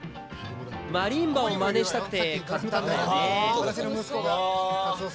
マリンバをまねしたくて買ったんだよね。